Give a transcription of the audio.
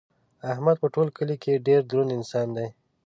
احمد په ټول کلي کې ډېر دروند انسان دی.